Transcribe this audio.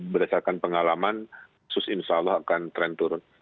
berdasarkan pengalaman sus insya allah akan tren turun